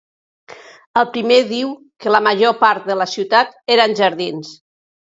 El primer diu que la major part de la ciutat eren jardins.